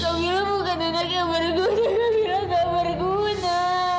kak mila bukan kendak yang berguna